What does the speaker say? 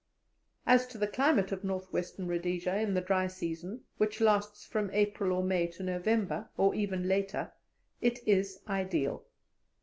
As to the climate of North Western Rhodesia in the dry season which lasts from April or May to November, or even later it is ideal.